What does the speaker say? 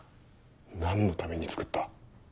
何のために作った？